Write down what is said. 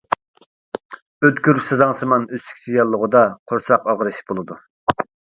ئۆتكۈر سازاڭسىمان ئۆسۈكچە ياللۇغىدا قورساق ئاغرىش بولىدۇ.